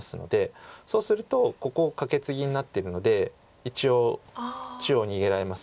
そうするとここカケツギになってるので一応中央逃げられます。